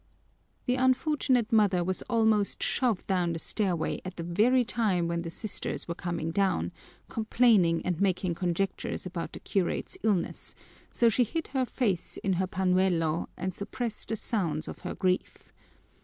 The unfortunate mother was almost shoved down the stairway at the very time when the Sisters were coming down, complaining and making conjectures about the curate's illness, so she hid her face in her pañuelo and suppressed the sounds of her grief.